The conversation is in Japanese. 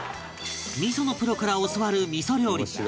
味噌のプロから教わる味噌料理